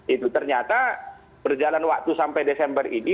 itu ternyata berjalan waktu sampai desember ini